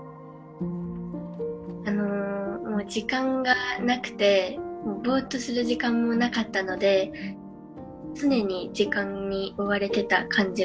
あのもう時間がなくてボッとする時間もなかったので常に時間に追われてた感じがします。